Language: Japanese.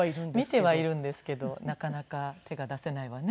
見てはいるんですけどなかなか手が出せないわね。